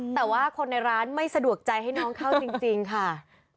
แต่ว่าคนในร้านไม่สะดวกใจให้น้องเข้าจริงค่ะ